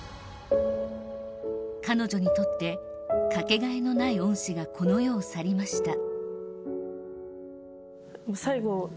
彼女にとってかけがえのない恩師がこの世を去りました。